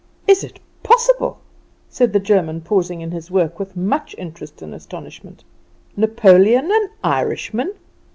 "Is it possible!" said the German, pausing in his work with much interest and astonishment. "Napoleon an Irishman!"